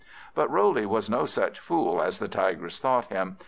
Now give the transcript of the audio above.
But Roley was no such fool as the Tigress thought him.